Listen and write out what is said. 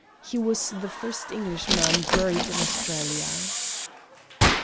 He was the first Englishman buried in Australia.